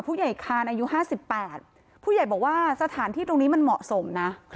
อาคารอายุ๕๘ผู้ใหญ่บอกว่าสถานที่ตรงนี้มันเหมาะสมนะ